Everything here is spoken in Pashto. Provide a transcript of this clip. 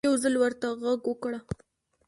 يو ځل ورته غږ وکړه